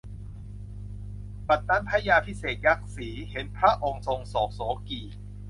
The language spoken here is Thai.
บัดนั้นพระยาภิเภกยักษี เห็นพระองค์ทรงโศกโศกี